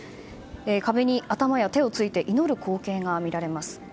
壁に頭や手をついて祈る光景が見られます。